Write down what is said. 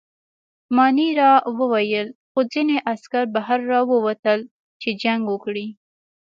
مانیرا وویل: خو ځینې عسکر بهر راووتل، چې جنګ وکړي.